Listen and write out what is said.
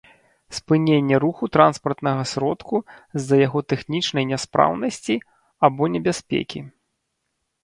спыненне руху транспартнага сродку з-за яго тэхнічнай няспраўнасці або небяспекі